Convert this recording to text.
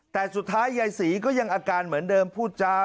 แต่สุดท้ายยายศรีก็ยังอาการเหมือนเดิมพูดจา